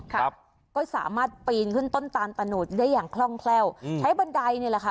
ครับก็สามารถปีนขึ้นต้นตาลตะโนดได้อย่างคล่องแคล่วอืมใช้บันไดนี่แหละค่ะ